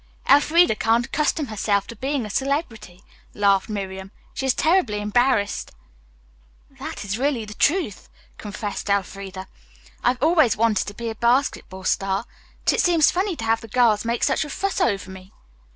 "Elfreda can't accustom herself to being a celebrity," laughed Miriam. "She is terribly embarrassed." "That is really the truth," confessed Elfreda. "I've always wanted to be a basketball star, but it seems funny to have the girls make such a fuss over me."